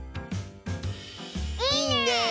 いいね！